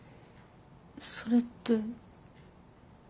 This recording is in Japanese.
それって。